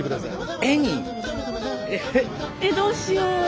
えっどうしよう。